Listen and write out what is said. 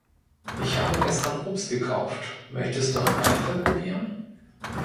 Ich habe gestern Obst gekauft, möchtest du ein paar Äpfel probieren?